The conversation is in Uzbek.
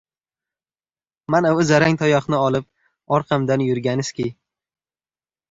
Manavi zarang tayoqni olib, orqamdan yurganskiy!